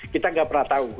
kita nggak pernah tahu